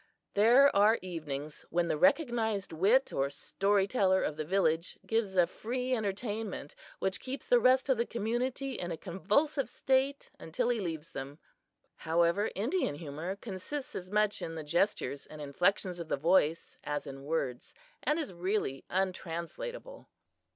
There are evenings when the recognized wit or story teller of the village gives a free entertainment which keeps the rest of the community in a convulsive state until he leaves them. However, Indian humor consists as much in the gestures and inflections of the voice as in words, and is really untranslatable.